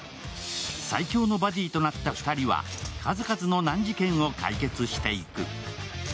最強のバディとなった２人は数々の難事件を解決していく。